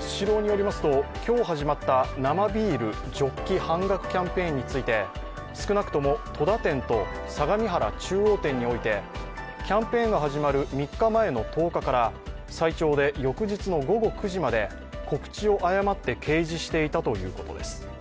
スシローによりますと今日始まった生ビールジョッキ半額キャンペーンについて少なくとも戸田店と相模原中央店において、キャンペーンが始まる３日前の１０日から最長で翌日の午後９時まで告知を誤って掲示していたということです。